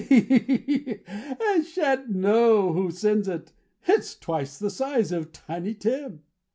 "He shan't know who sends it. It's twice the size of Tiny Tim."